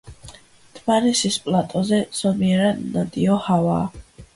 დმანისის პლატოზე ზომიერად ნოტიო ჰავაა.